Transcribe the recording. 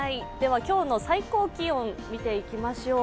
今日の最高気温を見ていきましょう。